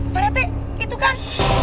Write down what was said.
pak rati itu kan